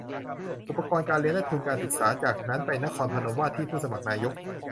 อุปกรณ์การเรียน และ ทุนการศึกษา จากนั้นไปนครพนม ว่าที่ผู้สมัครนายก